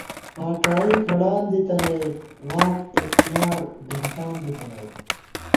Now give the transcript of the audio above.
فاڄائی کھڑان دِتَنئیت واک اِختیار بېنٹان دِتَنَئیت